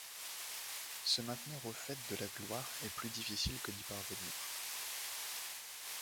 Se maintenir au faîte de la gloire est plus difficile que d'y parvenir...